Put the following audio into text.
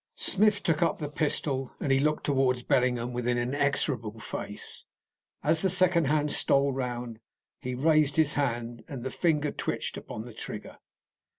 Smith took up the pistol and he looked towards Bellingham with an inexorable face. As the second hand stole round, he raised his hand, and the finger twitched upon the trigger.